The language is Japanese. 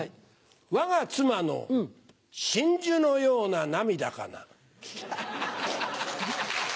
わが妻の真珠のような涙かな。